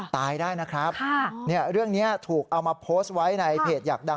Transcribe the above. ตายได้นะครับเรื่องนี้ถูกเอามาโพสต์ไว้ในเพจอยากดัง